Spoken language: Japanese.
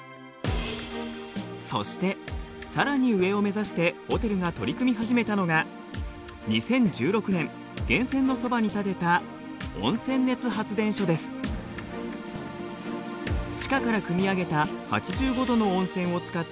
そしてさらに上を目指してホテルが取り組み始めたのが２０１６年源泉のそばに建てたすごいね！